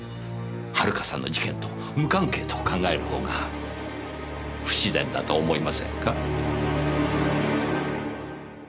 遥さんの事件と無関係と考えるほうが不自然だと思いませんか？